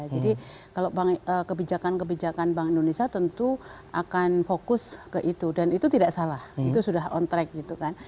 jadi kalau kebijakan kebijakan bank indonesia tentu akan fokus ke itu dan itu tidak salah itu sudah on track gitu kan